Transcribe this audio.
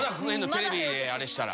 テレビあれしたら。